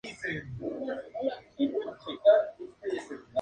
Con tres anotaciones de Genaro Torres y un gol de Raúl Ramos.